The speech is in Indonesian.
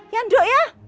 ya doh ya